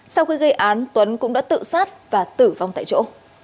sau khi gây án tuấn cũng đã tự sát và tử vong tại chỗ